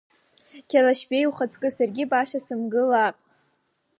Қьалашьбеи ухаҵкы, саргьы баша сымгылаап…